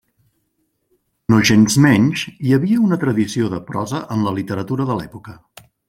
Nogensmenys hi havia una tradició de prosa en la literatura de l'època.